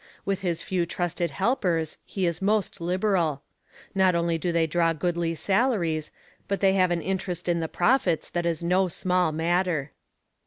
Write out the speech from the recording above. With his few trusted helpers he is most liberal. Not only do they draw goodly salaries, but they have an interest in the profits that is no small matter.